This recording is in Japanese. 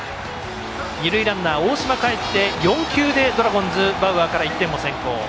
二塁ランナー、大島かえって４球でドラゴンズ、バウアーから１点を先行。